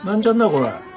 これ。